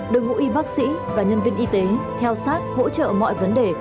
đội ngũ y bác sĩ và nhân viên y tế theo sát hỗ trợ mọi vấn đề